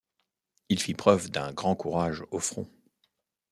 Il fit preuve d'un grand courage au front.